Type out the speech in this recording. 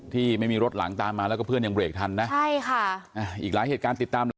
ที่ไม่มีรถหลังตามมาแล้วก็เพื่อนยังเบรกทันนะใช่ค่ะอีกหลายเหตุการณ์ติดตาม